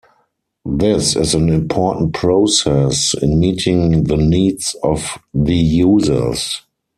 This is an important process in meeting the needs of the users.